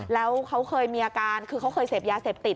แล้วเขาเคยมีอาการคือเขาเคยเสพยาเสพติด